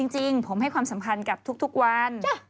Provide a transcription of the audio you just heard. จริงผมให้ความสำคัญกับทุกวัน